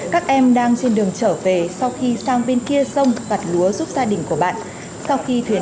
các em đang trên đường trở về sau khi sang bên kia sông vạt lúa giúp gia đình của bạn sau khi thuyền